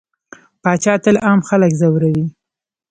پاچا تل عام خلک ځوروي.